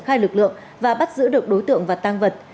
hùng đã bắt giữ đối tượng và tăng vật